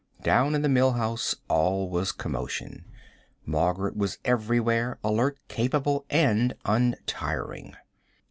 Down in the Mill House all was commotion. Margaret was everywhere, alert, capable, and untiring.